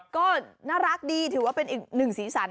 ก็น่ารักดีถือว่าเป็นอีกหนึ่งสีสัน